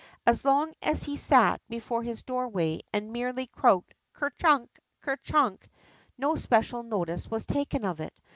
As long as he sat before his doorway and merely croaked : Ker chunk ! Ker chunk !'' no special notice was taken of it.